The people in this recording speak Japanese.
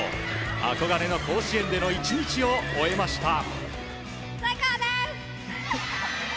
憧れの甲子園での１日を終えました。